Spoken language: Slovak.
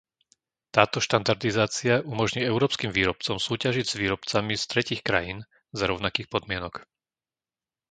Táto štandardizácia umožní európskym výrobcom súťažiť s výrobcami z tretích krajín za rovnakých podmienok.